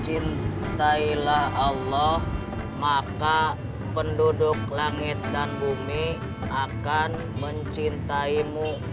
cintailah allah maka penduduk langit dan bumi akan mencintaimu